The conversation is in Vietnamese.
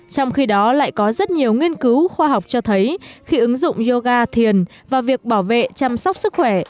trong khi đó lại có rất nhiều nghiên cứu khoa học cho thấy khi ứng dụng yoga thiền và việc bảo vệ chăm sóc sức khỏe